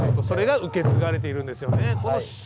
それが受け継がれているんですよね。